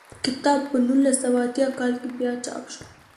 کتاب په نولس سوه اتیا کال کې بیا چاپ شو.